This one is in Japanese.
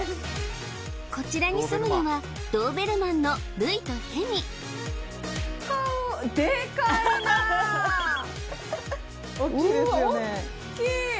こちらにすむのはドーベルマンのルイとヘミおっきいですよね